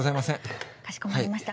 ブチッかしこまりました。